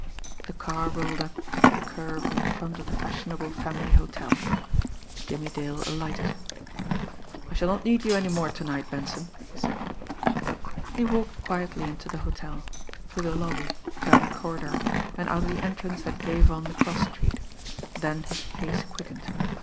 The car rolled up to the curb in front of the fashionable family hotel. Jimmie Dale alighted. "I shall not need you any more to night, Benson," he said. He walked quietly into the hotel, through the lobby, down a corridor, and out of the entrance that gave on the cross street then his pace quickened.